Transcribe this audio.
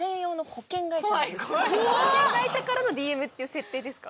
保険会社からのＤＭっていう設定ですか？